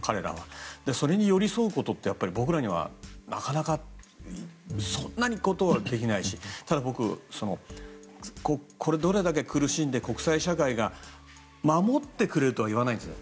それに寄り添うことは僕らにはそんなことはできないしただ、僕どれだけ苦しんで国際社会が守ってくれるとは言わないです。